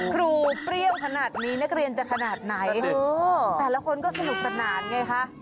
เปรี้ยวขนาดนี้นักเรียนจะขนาดไหนแต่ละคนก็สนุกสนานไงคะ